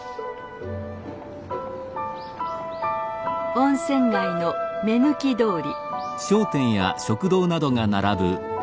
温泉街の目抜き通り。